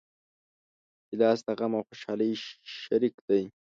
ګیلاس د غم او خوشحالۍ شریک دی.